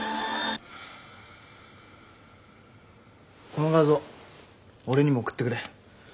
この画像俺にも送ってくれ。